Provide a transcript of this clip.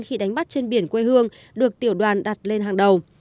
khi đánh bắt trên biển quê hương được tiểu đoàn đặt lên hàng đầu